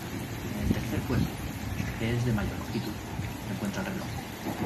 En el tercer cuerpo, que es de mayor longitud, se encuentra el reloj.